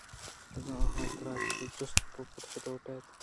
اگاں آہاں ترا پہ جست ءُپرسےءَ لوٹ اِت